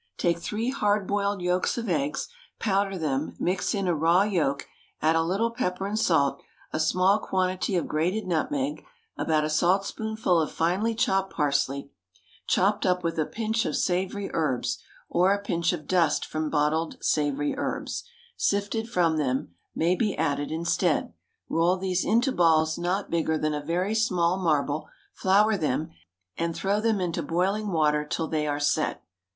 Take three hard boiled yolks of eggs, powder them, mix in a raw yolk, add a little pepper and salt, a small quantity of grated nutmeg, about a saltspoonful of finely chopped parsley, chopped up with a pinch of savoury herbs, or a pinch of dust from bottled savoury herbs, sifted from them, may be added instead. Roll these into balls not bigger than a very small marble, flour them, and throw them into boiling water till they are set.